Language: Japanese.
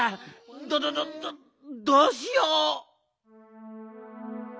どどどどうしよう！